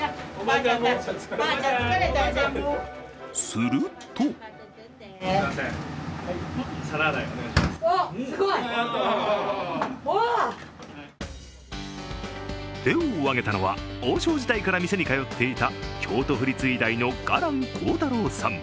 すると手を挙げたのは、王将時代から店に通っていた京都府立医大の加覽浩太郎さん。